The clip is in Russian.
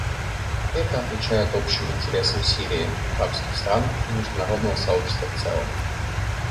Это отвечает общим интересам Сирии, арабских стран и международного сообщества в целом.